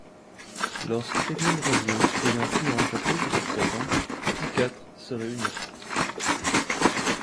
Lorsqu'Émile revient, ayant pu en réchapper contre toute attente, tous quatre se réunissent...